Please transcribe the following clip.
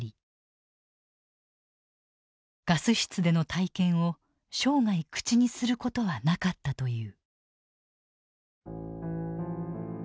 ガス室での体験を生涯口にすることはなかったという。